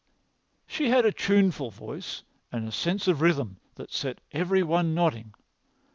'" She had a tuneful voice and a sense of rhythm which set every one nodding.